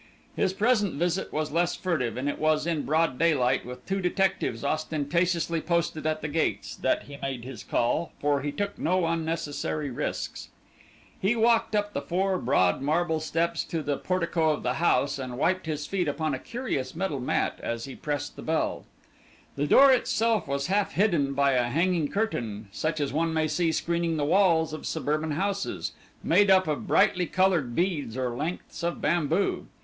His present visit was less furtive and it was in broad daylight, with two detectives ostentatiously posted at the gates, that he made his call for he took no unnecessary risks. He walked up the four broad marble steps to the portico of the house, and wiped his feet upon a curious metal mat as he pressed the bell. The door itself was half hidden by a hanging curtain, such as one may see screening the halls of suburban houses, made up of brightly coloured beads or lengths of bamboo.